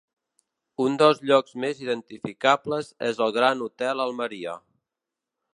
Un dels llocs més identificables és el Gran Hotel Almeria.